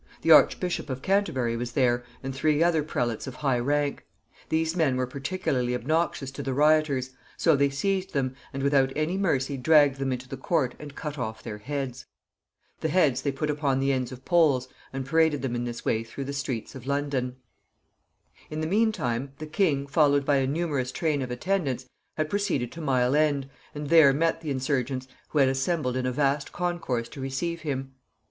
The Archbishop of Canterbury was there, and three other prelates of high rank. These men were particularly obnoxious to the rioters, so they seized them, and without any mercy dragged them into the court and cut off their heads. The heads they put upon the ends of poles, and paraded them in this way through the streets of London. In the mean time, the king, followed by a numerous train of attendants, had proceeded to Mile End, and there met the insurgents, who had assembled in a vast concourse to receive him.